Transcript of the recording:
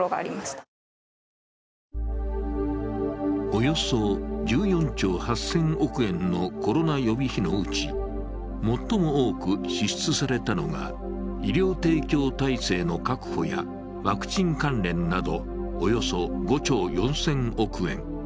およそ１４兆８０００億円のコロナ予備費のうち、最も多く支出されたのが医療提供体制の確保やワクチン関連などおよそ５兆４０００億円。